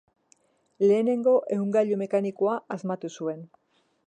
Lehenengo ehungailu mekanikoa asmatu zuen.